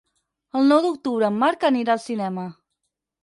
El nou d'octubre en Marc anirà al cinema.